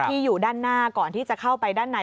อยู่ด้านหน้าก่อนที่จะเข้าไปด้านใน